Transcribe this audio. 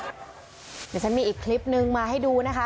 เดี๋ยวฉันมีอีกคลิปนึงมาให้ดูนะคะ